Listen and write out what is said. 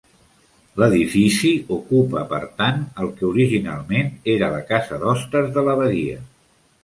L'edifici ocupa, per tant, el que originalment era la casa d'hostes de l'abadia.